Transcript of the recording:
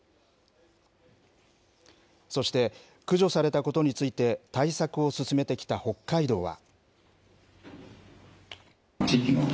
そして、駆除されたことについて、対策を進めてきた北海道は。